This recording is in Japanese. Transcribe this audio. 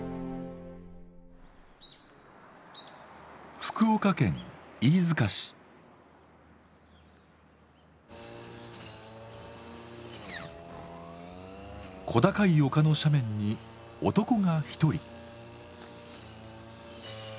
福岡県小高い丘の斜面に男が一人。